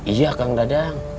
iya kang dadang